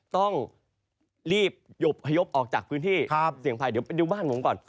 ต้องรีบพยพออกจากพื้นที่เสี่ยงภัยเดี๋ยวไปดูบ้านผมก่อน